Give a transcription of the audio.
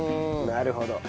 なるほど。